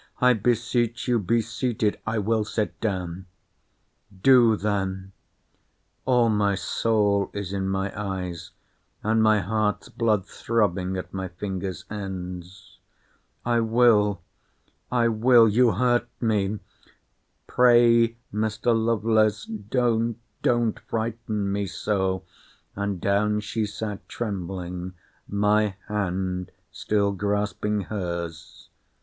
I beseech you, be seated!—— I will sit down—— Do then—All my soul is in my eyes, and my heart's blood throbbing at my fingers' ends. I will—I will—You hurt me—Pray, Mr. Lovelace, don't—don't frighten me so—And down she sat, trembling; my hand still grasping her's.